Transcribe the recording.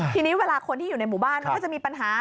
ทีนี้เวลาคนที่อยู่ในหมู่บ้านมันก็จะมีปัญหา